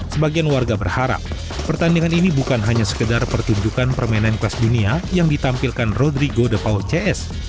sebagian warga berharap pertandingan ini bukan hanya sekedar pertunjukan permainan kelas dunia yang ditampilkan rodrigo de paul cs